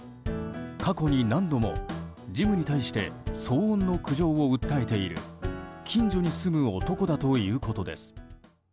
過去に何度もジムに対して騒音の苦情を訴えている近所に住む男だということです。